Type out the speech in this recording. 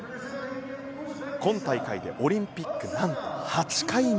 今大会でオリンピック何と、８回目。